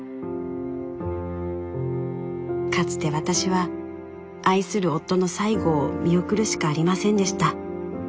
かつて私は愛する夫の最期を見送るしかありませんでした。